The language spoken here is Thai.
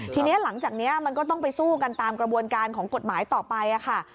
ทีนี้หลังจากนี้มันก็ต้องไปสู้กันตามกระบวนการของกฎหมายต่อไปค่ะ